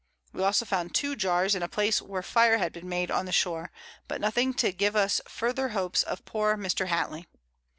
We also found 2 Jars, and a Place where Fire had been made on the Shore, but nothing to give us farther Hopes of poor Mr. Hattley.